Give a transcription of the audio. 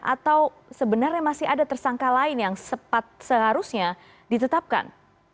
atau sebenarnya masih ada tersangka lain yang seharusnya ditetapkan